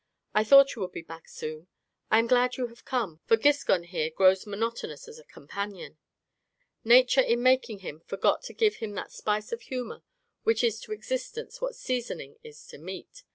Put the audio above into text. "I thought you would soon be back. I am glad you have come, for Giscon here grows monotonous as a companion. Nature in making him forgot to give him that spice of humour which is to existence what seasoning is to meat.